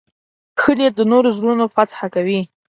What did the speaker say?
ښه نیت د نورو زړونه فتح کوي.